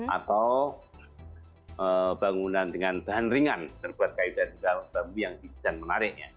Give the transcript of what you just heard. atau bangunan dengan bahan ringan terbuat kaedah kaedah yang isi dan menariknya